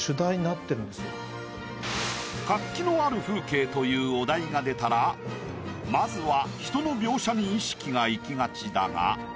「活気のある風景」というお題が出たらまずは人の描写に意識がいきがちだが。